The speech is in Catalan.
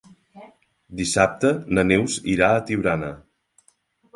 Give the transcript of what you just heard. Dissabte na Neus irà a Tiurana.